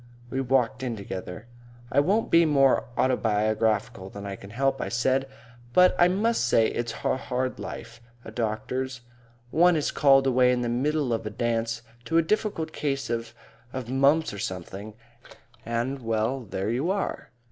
We walked in together. "I won't be more autobiographical than I can help," I said, "but I must say it's hard life, a doctor's. One is called away in the middle of a dance to a difficult case of of mumps or something, and well, there you are.